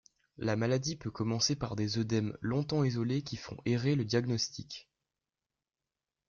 La maladie peut commencer par des œdèmes longtemps isolés qui font errer le diagnostic.